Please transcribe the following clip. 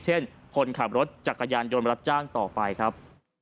เช่นคนขับรถจักรยานยนต์รับจ้างต่อไปครับ